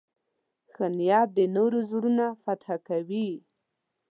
ښه نیت د نورو زړونه فتح کوي.